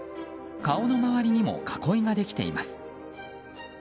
顔の周りにも囲いができています。